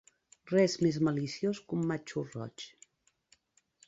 Res més maliciós que un matxo roig.